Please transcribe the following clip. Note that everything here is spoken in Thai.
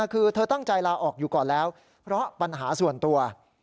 คือเธอตั้งใจลาออกอยู่ก่อนแล้วเพราะปัญหาส่วนตัว